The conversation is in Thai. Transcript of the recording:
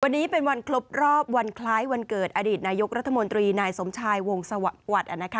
วันนี้เป็นวันครบรอบวันคล้ายวันเกิดอดีตนายกรัฐมนตรีนายสมชายวงสวัสดิ์